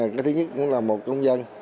cái thứ nhất cũng là một công dân